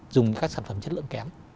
dùng các sản phẩm chất lượng kém